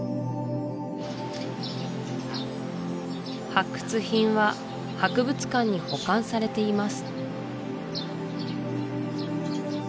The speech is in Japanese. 発掘品は博物館に保管されています